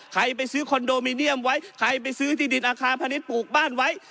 ไปซื้อคอนโดมิเนียมไว้ใครไปซื้อที่ดินอาคารพาณิชย์ปลูกบ้านไว้